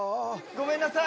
ごめんなさい。